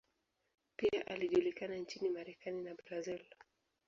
Pia alijulikana nchini Marekani na Brazil.